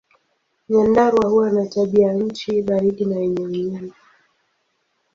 Nyandarua huwa na tabianchi baridi na yenye unyevu.